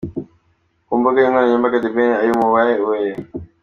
Ku mbuga nkoranyambaga, The Ben ari mu bayoboye.